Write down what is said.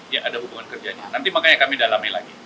ya ada hubungan kerjanya nanti makanya kami dalami lagi